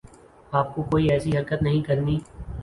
آپ کو کوئی ایسی حرکت نہیں کرنی